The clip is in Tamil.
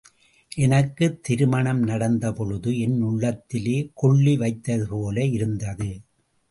எனக்குத் திருமணம் நடந்தபொழுது, என் உள்ளத்திலே கொள்ளி வைத்ததுபோல் இருந்தது.